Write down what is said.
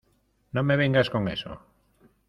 no me vengas con eso.